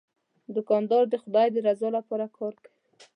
دوکاندار د خدای د رضا لپاره کار کوي.